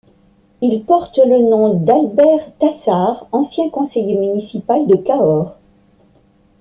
Il porte le nom d'Albert Tassart, ancien conseiller municipal de Cahors.